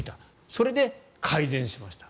それで改善しました。